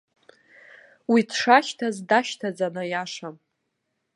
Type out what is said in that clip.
Уи дшашьҭаз дашьҭаӡан аиаша.